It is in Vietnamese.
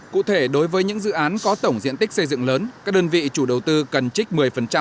cụ thể đối với những dự án có tổng diện tích xây dựng lớn các đơn vị chủ đầu tư cần trích một mươi